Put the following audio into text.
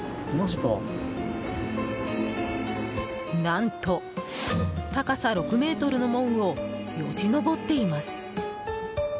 何と、高さ６ｍの門をよじ登っています。